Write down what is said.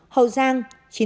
hậu giang chín mươi bốn